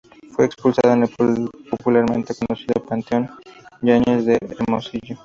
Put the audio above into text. Fue sepultado en el popularmente conocido "panteón Yáñez" de Hermosillo.